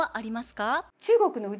中国の内